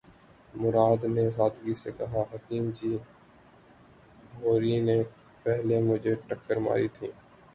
مراد نے سادگی سے کہا:”حکیم جی! بھوری نے پہلے مجھے ٹکر ماری تھی۔